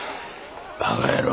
バカ野郎。